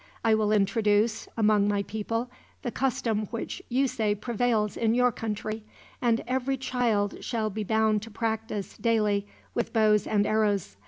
I will introduce, among my people, the custom which you say prevails in your country; and every child shall be bound to practice, daily, with bows and arrows.